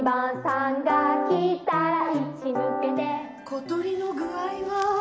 小鳥の具合は？